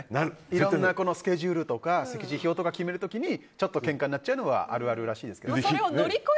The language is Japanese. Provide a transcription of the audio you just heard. いろんなスケジュールとか席次表とか決める時にけんかになっちゃうのはあるあるらしいですけどね。